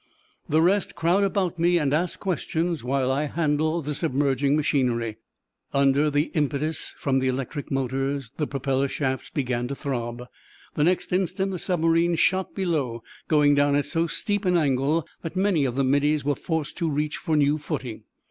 "The rest crowd about me and ask questions while I handle the submerging machinery." Under the impetus from the electric motors, the propeller shafts began to throb. The next instant the submarine shot below, going down at so steep an angle that many of the middies were forced to reach for new footing.